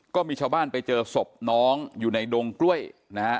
ก็มีชาวบ้านไปเจอศพน้องอยู่ในดงกล้วยนะฮะ